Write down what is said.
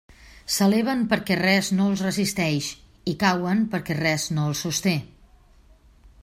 S'eleven perquè res no els resisteix i cauen perquè res no els sosté.